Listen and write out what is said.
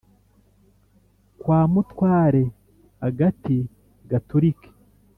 kwa mutware agati gaturike!